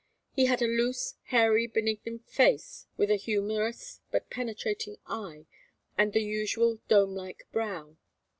He had a loose hairy benignant face with a humorous but penetrating eye and the usual domelike brow.